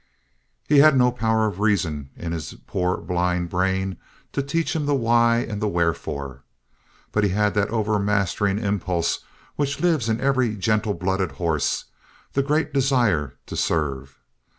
He had no power of reason in his poor blind brain to teach him the why and the wherefore. But he had that overmastering impulse which lives in every gentle blooded horse the great desire to serve.